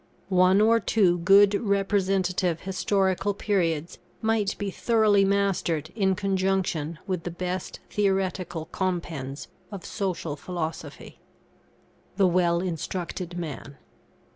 One or two good representative historical periods might be thoroughly mastered in conjunction with the best theoretical compends of Social Philosophy. [THE WELL INSTRUCTED MAN.